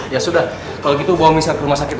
ya sudah kalo gitu bawa michelle ke rumah sakit ya